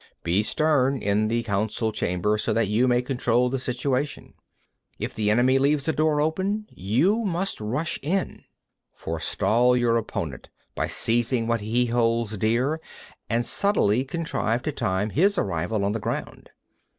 64. Be stern in the council chamber, so that you may control the situation. 65. If the enemy leaves a door open, you must rush in. 66. Forestall your opponent by seizing what he holds dear, and subtly contrive to time his arrival on the ground.